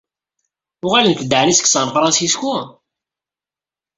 Uɣalent-d ɛni seg San Fransisco?